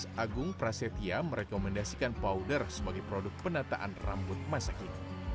yang mengagung prasetya merekomendasikan powder sebagai produk penataan rambut masyarakat